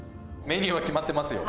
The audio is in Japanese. メニューは決まってますよ。